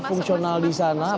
apakah sudah bisa dioperasi